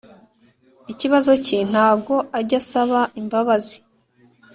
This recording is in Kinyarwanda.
ikibazo cye ntago ajya asaba imbabazi